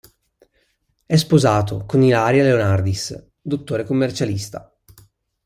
È sposato con Ilaria Leonardis, dottore commercialista.